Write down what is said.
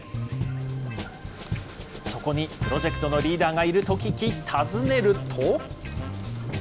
そこにプロジェクトのリーダーがいると聞き、訪ねると。